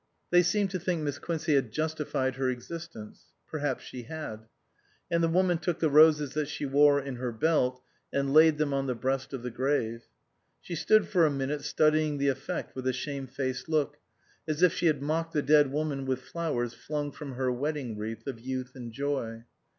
They seemed to think Miss Quincey had justified her existence. Perhaps she had. And the woman took the roses that she wore in her belt and laid them on the breast of the grave. She stood for a minute studying the effect with a shame faced look, as if she had mocked the dead woman with flowers flung from her wedding wreath of youth and joy.